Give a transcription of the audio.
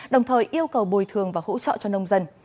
đồng thời yêu cầu bồi thường và hỗ trợ cho nông dân